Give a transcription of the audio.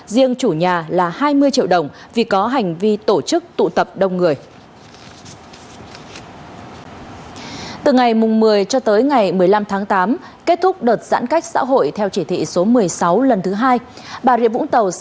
riêng chủ nhà là hai mươi triệu đồng vì có hành vi tổ chức tụ tập